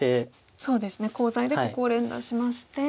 そうですねコウ材でここを連打しまして。